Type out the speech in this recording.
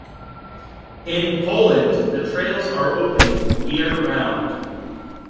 In Poland, the trails are open year-round.